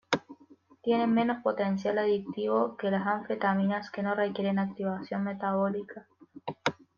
Tiene menos potencial adictivo que las anfetaminas que no requieren activación metabólica.